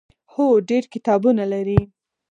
هو، ډیر کتابونه لري